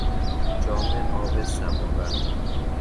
جام آب سماور